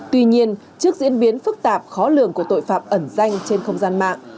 tuy nhiên trước diễn biến phức tạp khó lường của tội phạm ẩn danh trên không gian mạng